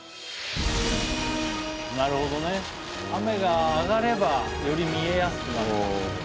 なるほどね雨が上がればより見えやすくなるんだ。